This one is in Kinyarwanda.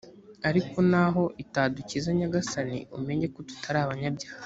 ariko naho itadukiza nyagasani umenye ko tutari abanyabyaha